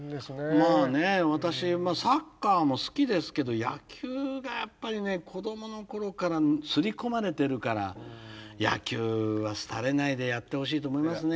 まあね私サッカーも好きですけど野球がやっぱりね子どもの頃からすり込まれてるから野球は廃れないでやってほしいと思いますね。